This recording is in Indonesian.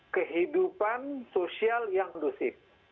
kehidupan sosial yang kondusif